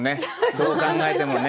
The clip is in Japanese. どう考えてもね。